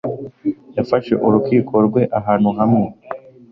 Yafashe urukiko rwe ahantu hamwe